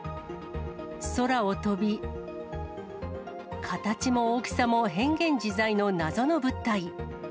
空を飛び、形も大きさも変幻自在な謎の物体。